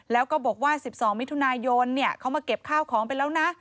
แล้วก็บอกว่า๑๒มิถุนายนเขามาเก็บข้าวของไปแล้วนะ